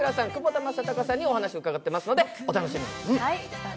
窪田正孝さんにお話を伺っていますので、お楽しみに。